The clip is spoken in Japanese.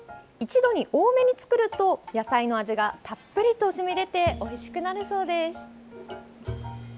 一度に多めに作ると野菜の味がたっぷりと染み出ておいしくなるそうです。